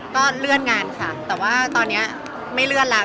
ก็เลื่อนงานค่ะแต่ว่าตอนนี้ไม่เลื่อนแล้ว